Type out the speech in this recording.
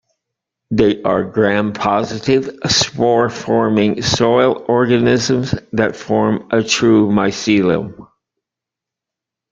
They are gram-positive, spore-forming soil organisms that form a true mycelium.